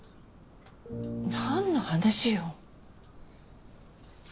何の話よ。